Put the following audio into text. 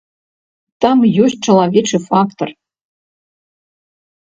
Там ёсць чалавечы фактар.